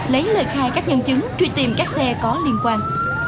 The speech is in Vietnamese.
lấy lời khai các nhân chứng truy tìm các xe có liên quan